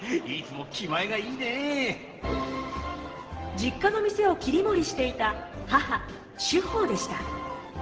実家の店を切り盛りしていた母殊法でした。